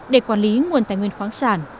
để quản lý nguồn tài nguyên khoáng sản